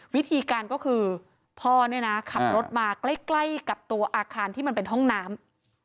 วิธีการก็คือพ่อเนี่ยนะขับรถมาใกล้กับตัวอาคารที่มันเป็นห้องน้ำ